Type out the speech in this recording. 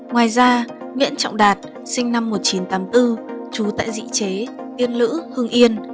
ngoài ra nguyễn trọng đạt sinh năm một nghìn chín trăm tám mươi bốn trú tại dị chế yên lữ hưng yên